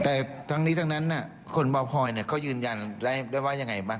แต่ทั้งนี้ทั้งนั้นคนเบาพลอยเขายืนยันได้ว่ายังไงบ้าง